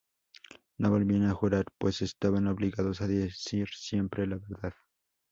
No volvían a jurar, pues estaban obligados a decir siempre la verdad.